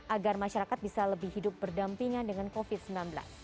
agar masyarakat bisa lebih hidup berdampingan dengan covid sembilan belas